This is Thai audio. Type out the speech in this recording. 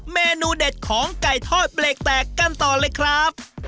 เมนูเด็ดของไก่ทอดเบรกแตกกันต่อเลยครับ